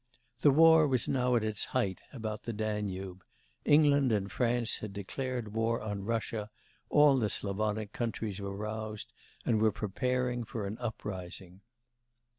The war was now at its height about the Danube; England and France had declared war on Russia, all the Slavonic countries were roused and were preparing for an uprising.